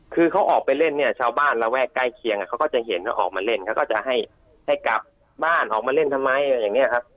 คือเขาออกไปเล่นเนี่ยชาวบ้านระแวกใกล้เคียงเขาก็จะเห็นว่าออกมาเล่นเขาก็จะให้กลับบ้านออกมาเล่นทำไมอะไรอย่างนี้ครับ